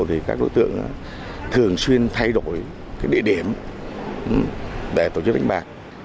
thì các đối tượng thường xuyên thay đổi cái địa điểm để tổ chức đánh bạc